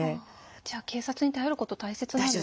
じゃあ警察に頼ること大切なんですね。